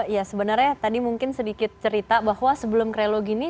ya sebenarnya tadi mungkin sedikit cerita bahwa sebelum krelo gini